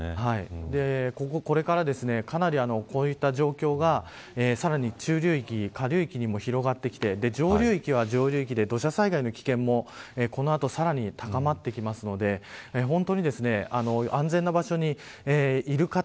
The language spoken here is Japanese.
これからかなりこういった状況がさらに中流域下流域にも広がってきて上流域は上流域で土砂災害の危険もこの後、さらに高まってくるので本当に安全な場所にいる方